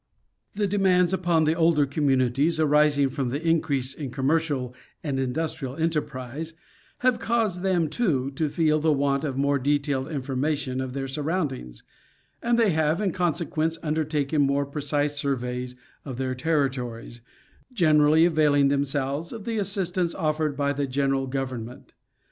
The demands upon the older communities arising from the increase in commercial and industrial enterprise, have caused them too, to feel the want of more detailed information of their surroundings, and they have, in consequence, undertaken more precise surveys of their territories, generally availing themselves of the assistance offered by the general government.